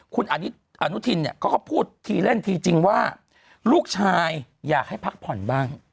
คุณอนุทินเนี่ยเขาก็พูดทีเล่นทีจริงว่าลูกชายอยากให้พักผ่อนบ้าง